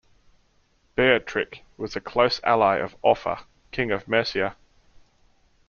Beorhtric was a close ally of Offa, King of Mercia.